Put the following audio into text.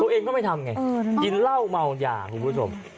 ตัวเองก็ไม่ทำไงกินเหล้าเมายาคุณผู้ชม